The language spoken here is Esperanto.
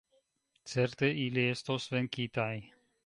Certe ili estos venkitaj.